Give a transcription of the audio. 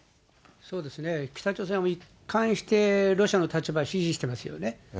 そうですね、北朝鮮は一貫して、ロシアの立場支持してますよね。